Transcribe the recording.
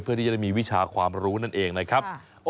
เพื่อที่จะได้มีวิชาความรู้นั่นเองนะครับ